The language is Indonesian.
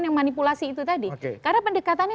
yang manipulasi itu tadi karena pendekatannya